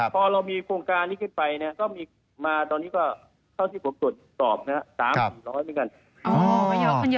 พอเรามีโครงการนี้ขึ้นไปก็มีมาตอนนี้ก็เท่าที่ผมตรวจตอบนะฮะ